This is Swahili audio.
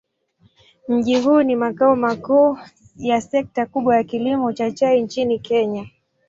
Mji huu ni makao makuu ya sekta kubwa ya kilimo cha chai nchini Kenya.